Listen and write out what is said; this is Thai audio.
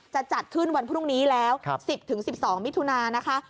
จะจัดขึ้นวันพรุ่งนี้แล้ว๑๐๑๒มิถุนานะคะ